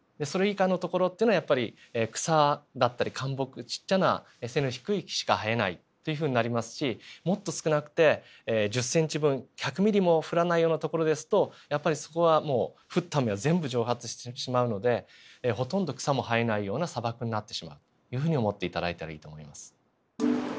それ以下の所っていうのはやっぱり草だったり灌木ちっちゃな背の低い木しか生えないというふうになりますしもっと少なくて１０センチ分１００ミリも降らないような所ですとやっぱりそこはもう降った雨は全部蒸発してしまうのでほとんど草も生えないような砂漠になってしまうというふうに思って頂いたらいいと思います。